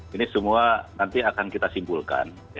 ini semua nanti akan kita simpulkan